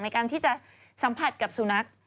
ในการที่จะสัมผัสกับสุนัข